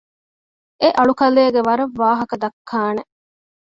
އެ އަޅުކަލޭގެ ވަރަށް ވާހަކަ ދައްކާނެ